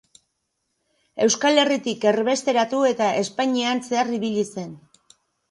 Euskal Herritik erbesteratu eta Espainian zehar ibili zen.